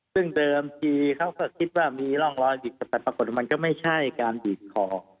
ซึ่งเดิมทีเขาก็คิดว่ามีร่องรอยบีบแต่ปรากฏมันก็ไม่ใช่การบีบคอ